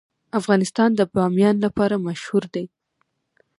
افغانستان د بامیان لپاره مشهور دی.